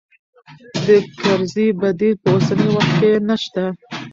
د کرزي بديل په اوسني وخت کې نه شته.